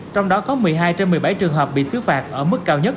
trong đó có một mươi hai trên một mươi bảy trường hợp bị xứ phạm